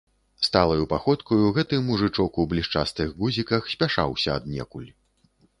Сталаю паходкаю гэты мужычок у блішчастых гузіках спяшаўся аднекуль.